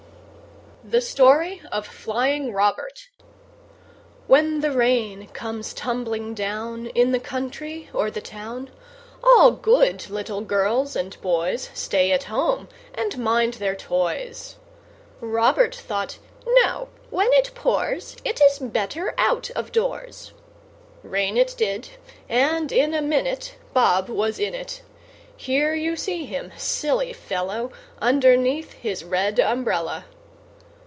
The Story of Flying Robert When the rain comes tumbling down In the country or the town, All good little girls and boys Stay at home and mind their toys. Robert thought, "No, when it pours, It is better out of doors." Rain it did, and in a minute Bob was in it. Here you see him, silly fellow, Underneath his red umbrella.